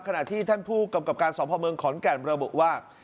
ขณะที่ท่านผู้กำกับการสอบภอมเมืองขอนแก่นระบุว่า